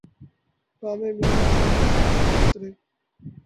بام مینا سے ماہتاب اترے